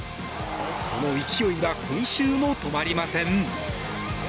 その勢いは今週も止まりません。